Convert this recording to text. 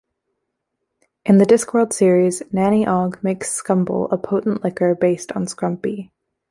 In the "Discworld" series, Nanny Ogg makes scumble, a potent liquor based on scrumpy.